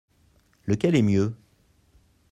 Lequel est mieux ?